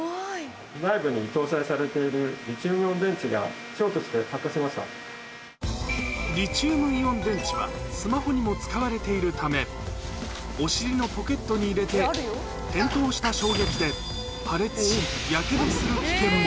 内部に搭載されているリチウムイオン電池が、ショートして発リチウムイオン電池は、スマホにも使われているため、お尻のポケットに入れて、転倒した衝撃で破裂し、やけどする危険も。